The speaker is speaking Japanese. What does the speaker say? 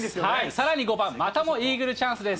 さらに５番、またもイーグルチャンスです。